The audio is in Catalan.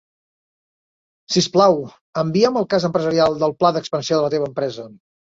Sisplau, envia'm el cas empresarial del pla d'expansió de la teva empresa.